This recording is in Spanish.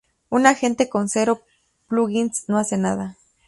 Un agente con cero plugins no hace nada.